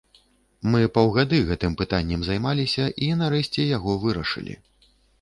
Мы паўгады гэтым пытаннем займаліся і, нарэшце, яго вырашылі.